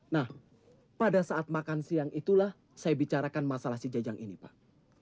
nah pada saat makan siang itulah saya bicarakan masalah si jajang ini pak